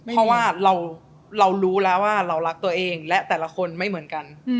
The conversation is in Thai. เพราะว่าเรารู้แล้วว่าเรารักตัวเองและแต่ละคนไม่เหมือนกัน